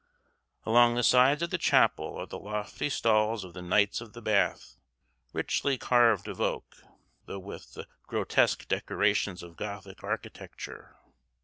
Along the sides of the chapel are the lofty stalls of the Knights of the Bath, richly carved of oak, though with the grotesque decorations of Gothic architecture.